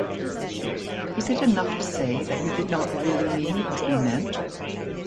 Is it enough to say that we did not really mean what we meant?